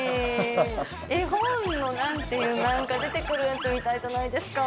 絵本の、なんていうか、なんか出てくるやつみたいじゃないですか。